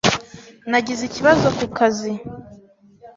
Nagize ikibazo ku kazi.